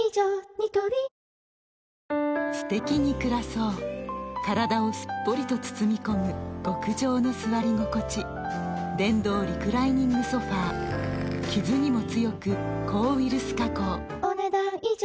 ニトリすてきに暮らそう体をすっぽりと包み込む極上の座り心地電動リクライニングソファ傷にも強く抗ウイルス加工お、ねだん以上。